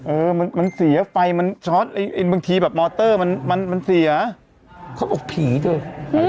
เออมันมันเสียไฟมันช็อตบางทีแบบมอเตอร์มันมันเสียเขาบอกผีเถอะ